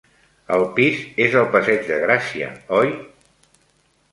El pis és al Passeig de Gràcia, oi?